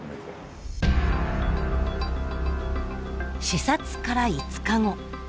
視察から５日後。